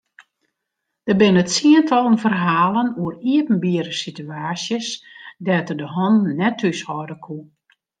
Der binne tsientallen ferhalen oer iepenbiere situaasjes dêr't er de hannen net thúshâlde koe.